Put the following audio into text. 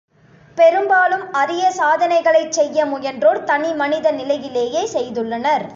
பெரும்பாலும் அரிய சாதனைகளைச் செய்ய முயன்றோர் தனி மனித நிலையிலேயே செய்துள்ளனர்.